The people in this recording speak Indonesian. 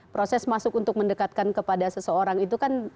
proses masuk untuk mendekatkan kepada seseorang itu kan